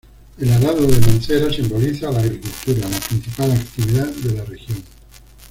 El arado de mancera simboliza a la agricultura, la principal actividad de la región.